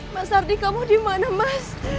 mas ardi kamu di mana mas